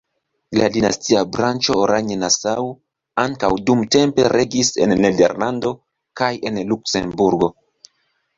La dinastia branĉo Oranje-Nassau ankaŭ dumtempe regis en Nederlando kaj en Luksemburgo.